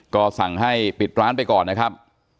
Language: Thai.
ก็สั่งให้ปิดร้านไปก่อนนะครับ